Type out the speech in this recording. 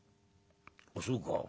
「あそうか。